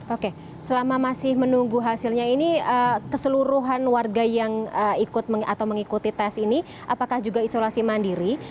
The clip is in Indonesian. oke selama masih menunggu hasilnya ini keseluruhan warga yang ikut atau mengikuti tes ini apakah juga isolasi mandiri